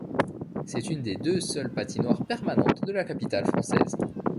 C'est une des deux seules patinoires permanentes de la capitale française.